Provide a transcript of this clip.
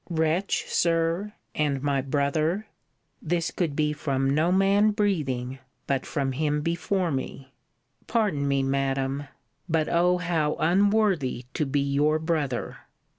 Wretch, Sir! And my brother! This could be from no man breathing, but from him before me! Pardon me, Madam! But oh! how unworthy to be your brother!